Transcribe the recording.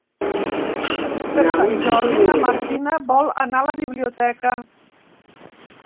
Per Sant Jordi na Martina vol anar a la biblioteca.